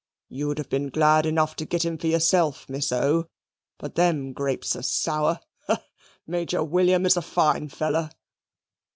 "You'd have been glad enough to git him for yourself, Miss O. But them grapes are sour. Ha! ha! Major William is a fine feller."